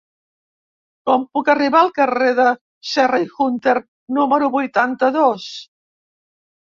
Com puc arribar al carrer de Serra i Hunter número vuitanta-dos?